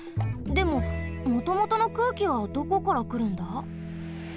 でももともとの空気はどこからくるんだ？